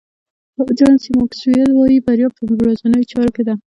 جان سي ماکسویل وایي بریا په ورځنیو چارو کې ده.